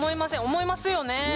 思いますよね？